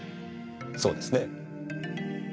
そうですね？